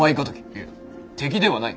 いや敵ではない。